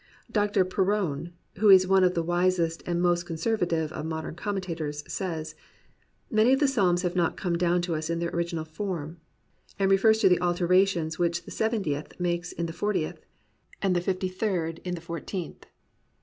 Dr. Perowne, who is one of the wisest and most conservative of modem commen tators, says, "Many of the Psalms have not come down to us in their original form," * and refers to the alterations which the Seventieth makes in the Fortieth, and the Fifty third in the Fourteenth.